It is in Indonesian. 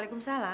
gini men yuk